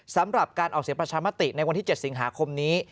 สำหรับการออกเสียงประชามติในวันที่๗สิงหาคมนี้